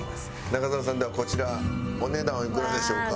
ナカザワさんではこちらお値段おいくらでしょうか？